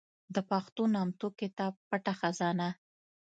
د پښتو نامتو کتاب پټه خزانه